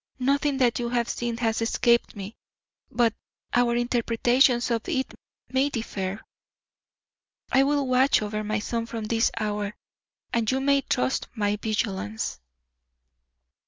"Nothing that you have seen has escaped me; but our interpretations of it may differ. I will watch over my son from this hour, and you may trust my vigilance."